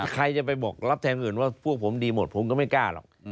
ใครจะไปบอกรับแทนอื่นว่าพวกผมดีหมดผมก็ไม่กล้าหรอก